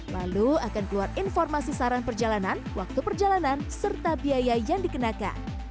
lalu akan keluar informasi saran perjalanan waktu perjalanan serta biaya yang dikenakan